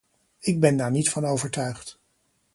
Ik ben daar niet van overtuigd.